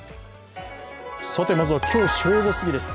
さて、まずは今日正午過ぎです。